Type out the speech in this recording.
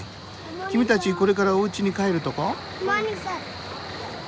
君たちこれからおうちに帰るとこ？